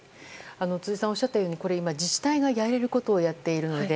辻さんがおっしゃったように自治体がやれることをやっているので